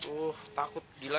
uh takut gila